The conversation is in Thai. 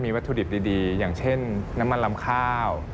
วัตถุดิบดีอย่างเช่นน้ำมันลำข้าว